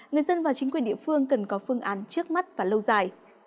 người dân và chính quyền địa phương cần có phương án trước mắt và lâu dài